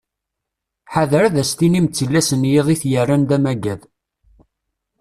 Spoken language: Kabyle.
Ḥader ad as-tinim d tillas n yiḍ i t-yerran d amaggad.